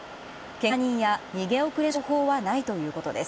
けが人や逃げ遅れの情報はないということです。